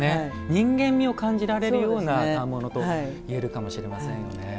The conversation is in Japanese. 人間味を感じられるような反物といえるかもしれませんよね。